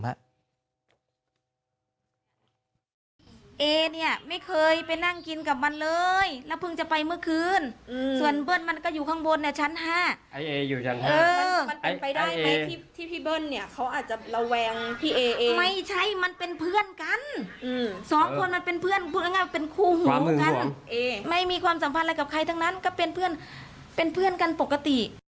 ใครทั้งนั้นก็เป็นเพื่อนเป็นเพื่อนกันปกติ